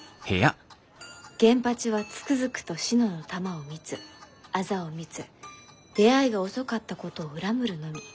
「現八はつくづくと信乃の玉を見つ痣を見つ出会いが遅かったことを恨むるのみ。